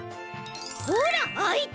ほらあいた！